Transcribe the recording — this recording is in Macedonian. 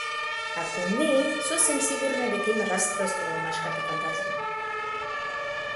Ако не е, сосем сигурно е дека има растројство во машката фантазија.